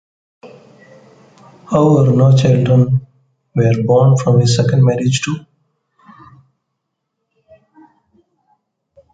However, no children were born from his second marriage too.